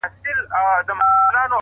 ته له قلف دروازې _ یو خروار بار باسه _